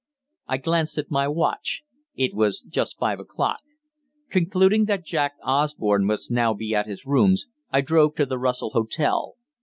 I glanced at my watch. It was just five o'clock. Concluding that Jack Osborne must now be at his rooms, I drove to the Russell Hotel.